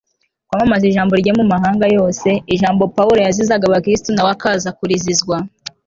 kwamamaza ijambo rye mu mahanga yose, ijambo paulo yazizaga abakristu nawe akaza kurizizwa